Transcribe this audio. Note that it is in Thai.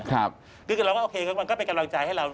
คือเราก็โอเคมันก็เป็นกำลังใจให้เรา